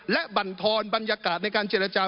และบรรทอนบรรยากาศในการเจรจา